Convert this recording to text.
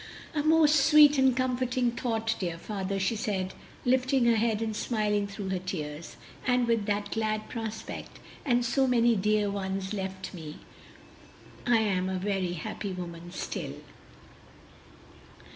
"A most sweet and comforting thought, dear father," she said, lifting her head and smiling through her tears; "and with that glad prospect and so many dear ones left me, I am a very happy woman still."